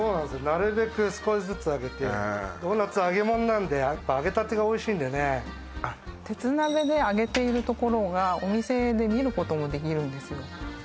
なるべく少しずつ揚げてドーナツ揚げ物なんでやっぱ揚げたてがおいしいんでね鉄鍋で揚げているところがお店で見ることもできるんですよ